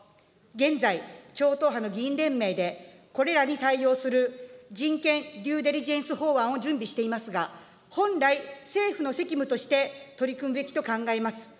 現在、超党派の議員連盟で、これらに対応する人権デューデリジェンス法案を準備していますが、本来、政府の責務として取り組むべきと考えます。